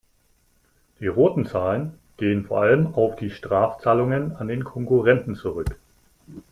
Die roten Zahlen gehen vor allem auf die Strafzahlungen an den Konkurrenten zurück.